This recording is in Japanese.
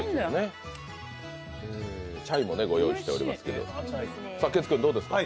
チャイもご用意してますけども。